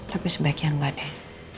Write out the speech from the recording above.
tapi sebaiknya gak deh